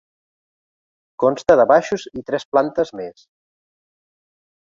Consta de baixos i tres plantes més.